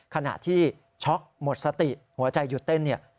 ขณะที่ช็อกหมดสติหัวใจหยุดเต้นเนี่ย